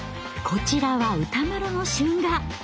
こちらは歌麿の春画。